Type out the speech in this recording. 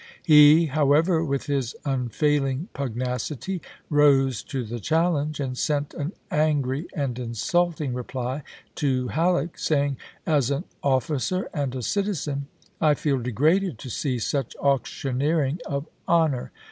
He, however, with his unfailing pugnacity rose to the challenge and sent an angry and insulting reply to Halleck, saying, " As an officer and a citizen I feel degraded to see such auctioneering of honor.